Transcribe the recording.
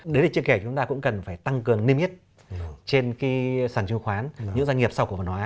đến đây trên kẻ chúng ta cũng cần phải tăng cường niêm yết trên sàn chương khoán những doanh nghiệp sau cổ phần hóa